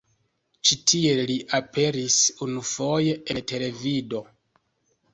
Ĉi tiel li aperis unuafoje en televido.